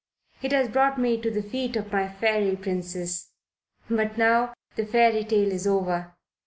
It has brought me to the feet of my Fairy Princess. But now the fairy tale is over.